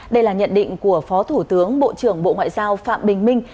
đây là nhận định của phó thủ tướng bộ trưởng bộ ngoại giao phạm bình minh